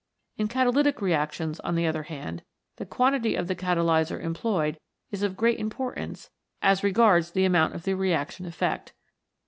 In catalytic re actions, on the other hand, the quantity of the catalyser employed is of great importance as regards the amount of the reaction effect.